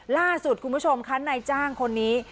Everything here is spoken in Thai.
ล่าสุดคุณผู้ชมคะนายจ้างคนนี้